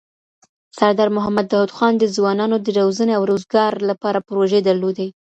سردار محمد داود خان د ځوانانو د روزنې او روزګار لپاره پروژې درلودې.